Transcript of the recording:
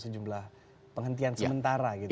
sejumlah penghentian sementara gitu